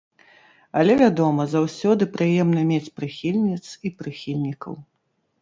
Але, вядома, заўсёды прыемна мець прыхільніц і прыхільнікаў!